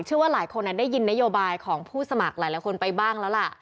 เชื่อว่าหลายคนได้ยินนโยบายของผู้สมัครหลายคนไปบ้างแล้วล่ะ